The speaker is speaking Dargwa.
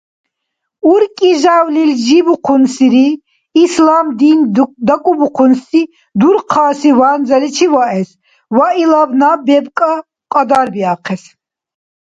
УркӀи жявлил жибухъунсири ислам дин дакӀубухъунси дурхъаси ванзаличи ваэс ва илаб наб бебкӀа кьадарбиахъес.